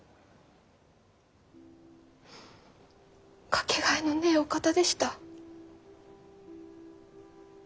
掛けがえのねぇお方でした。